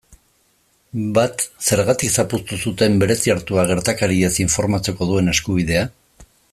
Bat, zergatik zapuztu zuten Bereziartuak gertakariez informatzeko duen eskubidea?